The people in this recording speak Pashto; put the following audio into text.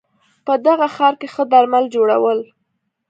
په دغه ښار کې ښه درمل جوړول